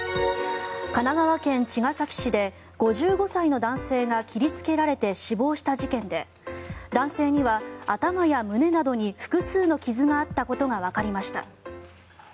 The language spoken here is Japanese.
神奈川県茅ヶ崎市で５５歳の男性が切りつけられて死亡した事件で男性には頭や胸などに複数の傷があったことがわかりました。